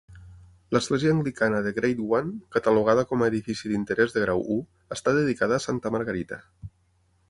L'església anglicana de Grade One, catalogada com a edific d'interès de grau I, està dedicada a Santa Margarita.